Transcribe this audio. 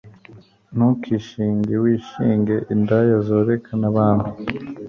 ntukishinge wishinge indaya zoreka n'abami